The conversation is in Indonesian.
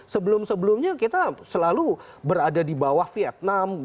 sebelum sebelumnya kita selalu berada di bawah vietnam